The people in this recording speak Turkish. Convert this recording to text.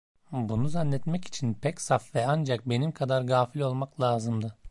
Bunu zannetmek için pek saf ve ancak benim kadar gafil olmak lazımdı.